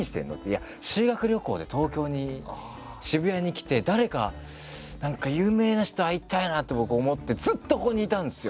「いや修学旅行で東京に渋谷に来て誰か何か有名な人と会いたいなって僕思ってずっとここにいたんですよ！」